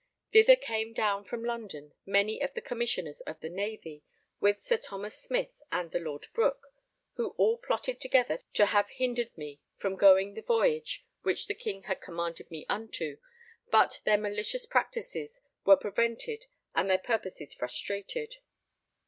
Thither came down from London many of the Commissioners of the Navy, with Sir Thomas Smith and the Lord Brooke, who all plotted together to have hindered me from going the voyage which the King had commanded me unto, but their malicious practices were prevented and their purposes frustrated.